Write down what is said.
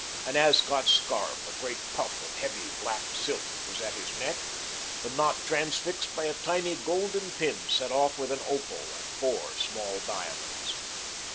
An Ascot scarf a great puff of heavy black silk was at his neck, the knot transfixed by a tiny golden pin set off with an opal and four small diamonds.